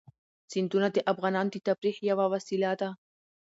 سیندونه د افغانانو د تفریح یوه وسیله ده.